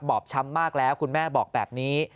บอบช้ำมากแล้วคุณแม่บอกแบบนี้